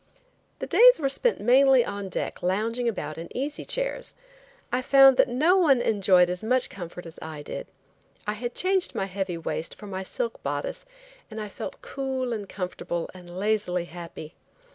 The days were spent mainly on deck lounging about in easy chairs. I found that no one enjoyed as much comfort as I did. I had changed my heavy waist for my silk bodice, and I felt cool and comfortable and lazily happy.